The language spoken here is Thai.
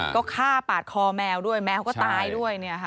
ก็ฆ่าปาดคอแมวด้วยแมวก็ตายด้วย